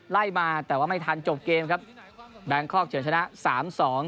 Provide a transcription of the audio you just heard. ไล่มาแต่ว่าไม่ทันจบเกมครับแบงคอกเฉินชนะสามสอง